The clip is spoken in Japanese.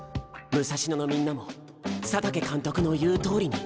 武蔵野のみんなも佐竹監督の言うとおりに。